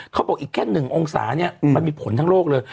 เขาบอกอีกแค่๑องศาเนี่ยมันมีผลทั้งโลกเลย